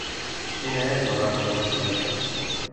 Quina és la data de la història?